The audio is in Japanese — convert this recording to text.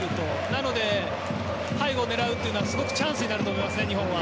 なので背後を狙うというのはすごくチャンスになると思いますね、日本は。